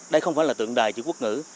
đây không phải là tượng đài chữ quốc ngữ